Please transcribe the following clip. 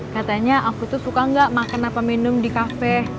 katanya aku tuh suka nggak makan apa minum di kafe